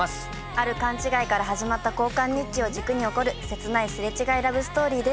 ある勘違いから始まった交換日記を軸に起こる切ない擦れ違いラブストーリーです。